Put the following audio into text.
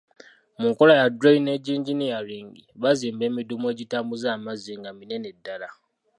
Mu nkola ya drainage engineering, bazimba emidumu egitambuza amazzi nga minene ddala.